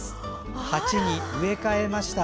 鉢に植え替えました。